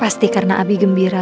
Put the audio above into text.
pasti karena abi gembira